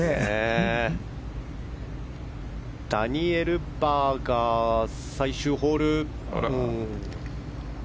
ダニエル・バーガー最終ホール。